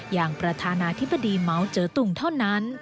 อย่างประธานาธิบดีเมาส์เจอตุงเท่านั้น